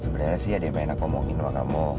sebenarnya sih ada yang pengen enak ngomongin sama kamu